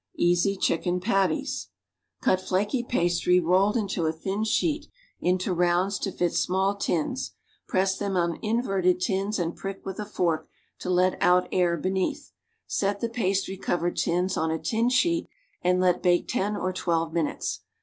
EASY CHICKEN PATTIES Cut flaky pastr,\", rolled into a thin sheet, into rounds to fit small tins; press them on inverted tins and prick \\itli a fork to let out air beneath; set the pastry covered tins on a tin sheet and let bake ten or twelve minutes.